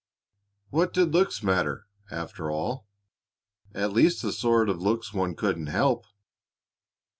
What did looks matter, after all at least the sort of looks one couldn't help?